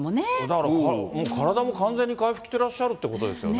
だからもう体も完全に回復してらっしゃるということですよね。